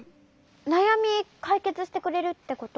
なやみかいけつしてくれるってこと？